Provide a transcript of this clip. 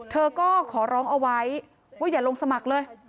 เธอก็ขอร้องเอาไว้ว่าอย่าลงสมัครเลย